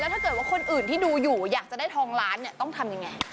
แล้วถ้าเกิดว่าคนอื่นที่ดูอยู่อยากจะได้ทองล้านต้องทำอย่างไร